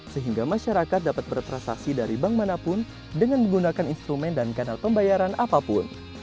sehingga masyarakat dapat bertransaksi dari bank manapun dengan menggunakan instrumen dan kanal pembayaran apapun